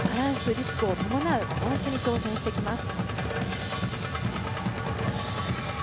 リスクを伴う大技に挑戦してきます。